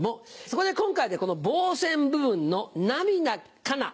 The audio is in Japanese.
そこで今回はこの傍線部分の「涙かな」